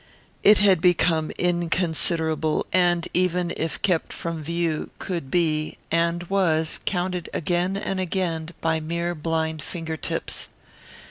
It had become inconsiderable, and even if kept from view could be, and was, counted again and again by mere blind fingertips.